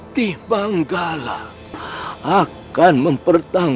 tim tim tim tim tim tim